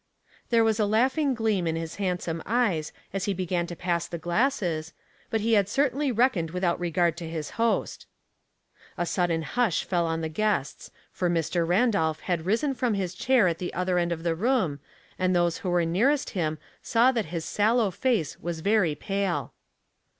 There was a laughing gleam in his handsome eyes as he began to pass the glasses, but he had certainly reckoned without regard to his host. The Force of Argument, 237 A sudden hush fell on the guests, for Mr. Ran dolph had risen from his chair at the other end of the room, and those who were nearest him saw that his sallow face was very pale.